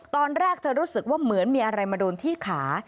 ตอนแรกเธอรู้สึกว่าเหมือนมีอะไรมาโดนที่ขา